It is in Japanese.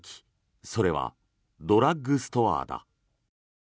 それはドラッグストアだ。